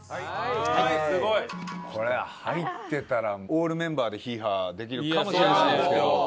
オールメンバーでヒーハーできるかもしれないですけど。